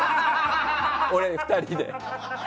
俺ら２人で。